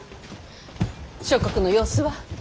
諸国の様子は？